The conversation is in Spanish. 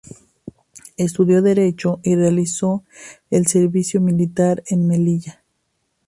Estudió derecho y realizó el servicio militar en Melilla.